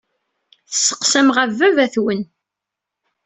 Tesseqsamt ɣef baba-twent.